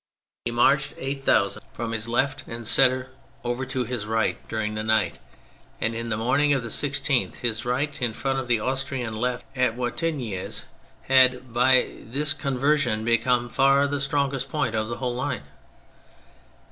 He marched eight thousand THE MILITARY ASPECT 201 from his left and centre, over to his right during the night, and in the morning of the 16th his right, in front of the Austrian left at Wattignies had, by this conversion, become far the strongest point of the whole line.